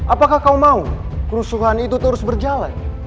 apakah kau mau kerusuhan itu terus berjalan